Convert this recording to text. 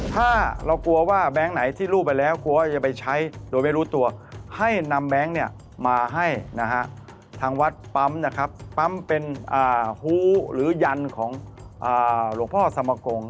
ถ้าเรากลัวว่าแบงค์ไหนที่รูปไปแล้วกลัวว่าจะไปใช้โดยไม่รู้ตัวให้นำแบงค์เนี่ยมาให้นะฮะทางวัดปั๊มนะครับปั๊มเป็นฮู้หรือยันของหลวงพ่อสมกง